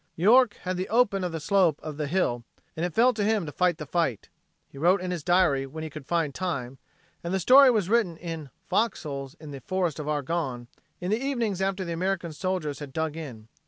York had the open of the slope of the hill, and it fell to him to fight the fight. He wrote in his diary when he could find time, and the story was written in "fox holes" in the Forest of Argonne, in the evenings after the American soldiers had dug in.